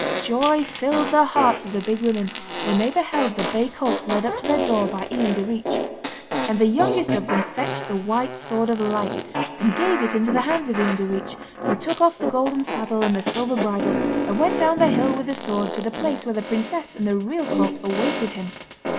Joy filed the hearts of the Big Women when they beheld the bay colt led up to their door by Ian Direach. And the youngest of them fetched the White Sword of Light, and gave it into the hands of Ian Direach, who took off the golden saddle and the silver bridle, and went down the hill with the sword to the place where the princess and the real colt awaited him.